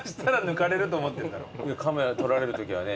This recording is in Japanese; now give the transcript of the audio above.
カメラ撮られるときはね